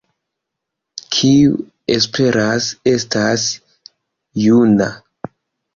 Kiu esperas, estas juna.